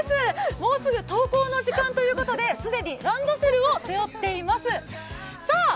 もうすぐ登校の時間ということで既にランドセルを背負っています。